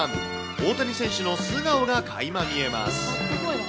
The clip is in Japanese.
大谷選手の素顔がかいま見えます。